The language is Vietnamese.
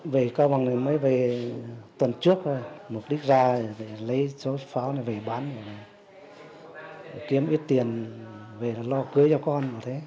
về cao bằng mới về tuần trước thôi mục đích ra lấy số pháo này về bán kiếm ít tiền về lo cưới cho con